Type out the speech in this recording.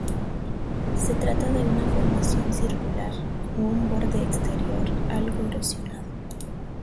Se trata de una formación circular con un borde exterior algo erosionado.